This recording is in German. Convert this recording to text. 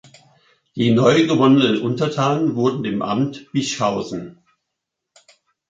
Die neu gewonnenen Untertanen wurden dem Amt Bischhausen.